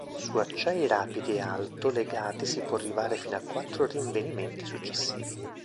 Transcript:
Su acciai rapidi e alto legati si può arrivare fino a quattro rinvenimenti successivi.